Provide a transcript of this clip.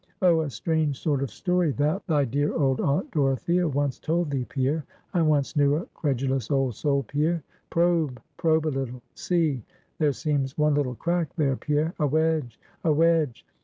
Oh, a strange sort of story, that, thy dear old Aunt Dorothea once told thee, Pierre. I once knew a credulous old soul, Pierre. Probe, probe a little see there seems one little crack there, Pierre a wedge, a wedge.